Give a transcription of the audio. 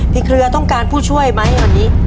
เครือต้องการผู้ช่วยไหมวันนี้